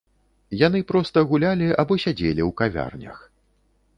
Яны проста гулялі або сядзелі ў кавярнях.